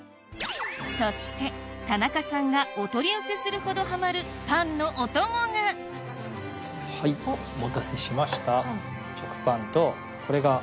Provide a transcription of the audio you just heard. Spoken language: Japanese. そして田中さんがお取り寄せするほどハマるパンのお供がはいお待たせしました食パンと。